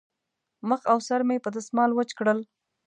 مخ او سر مې په دستمال وچ کړل.